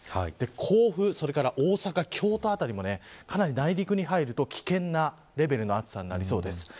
甲府、それから大阪、京都辺りもかなり内陸に入ると危険なレベルの暑さになりそうです。